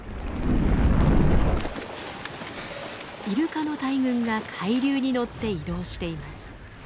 イルカの大群が海流に乗って移動しています。